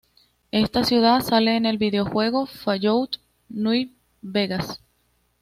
Esta ciudad sale en el videojuego Fallout:New Vegas